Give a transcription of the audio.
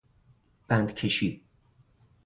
بند کشی